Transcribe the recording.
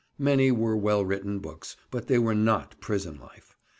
Many were well written books, but they were NOT prison life.